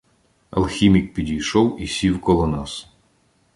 Алхімік підійшов і сів коло нас.